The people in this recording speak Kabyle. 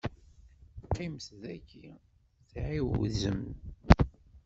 Qqimet dagi tɛiwzem.